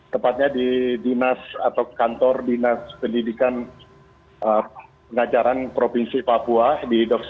tepatnya di dinas atau kantor dinas pendidikan pengajaran provinsi papua di dok sembilan